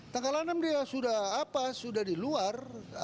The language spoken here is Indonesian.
tanggal enam dia sudah apa sudah di luar